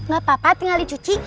gak apa apa tinggal dicuci